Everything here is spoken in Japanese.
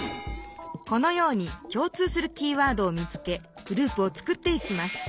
このようにきょう通するキーワードを見つけグループを作っていきます。